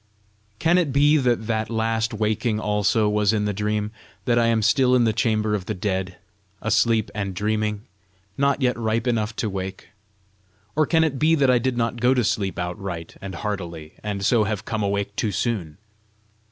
Can it be that that last waking also was in the dream? that I am still in the chamber of death, asleep and dreaming, not yet ripe enough to wake? Or can it be that I did not go to sleep outright and heartily, and so have come awake too soon?